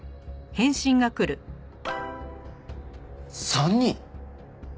３人！？